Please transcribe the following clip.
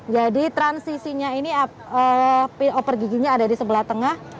jadi transisinya ini oper giginya ada di sebelah tengah